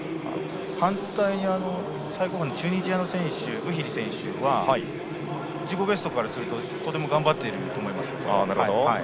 反対にチュニジアのブヒリ選手は自己ベストからするととても頑張っていると思います。